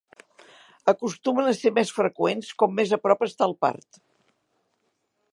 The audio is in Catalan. Acostumen a ser més freqüents com més a prop està el part.